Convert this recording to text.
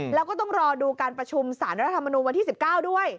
แล้วก็ต้องรอดูการประชุมสารรัฐธรรมนูลวันที่๑๙ด้วย